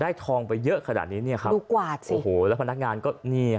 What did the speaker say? ทองไปเยอะขนาดนี้เนี่ยครับดูกวาดสิโอ้โหแล้วพนักงานก็เนี่ย